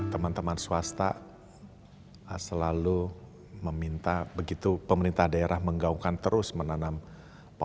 teman teman swasta selalu meminta begitu pemerintah daerah menggaungkan terus menanam pohon